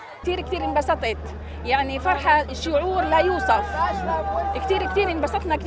allah hu akbar allah hu akbar